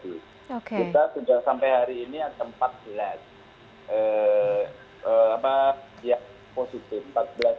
kita sudah sampai hari ini ada empat belas